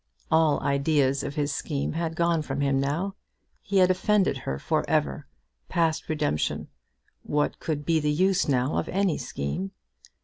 All ideas of his scheme had gone from him now. He had offended her for ever, past redemption. What could be the use now of any scheme?